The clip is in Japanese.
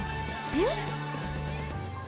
えっ？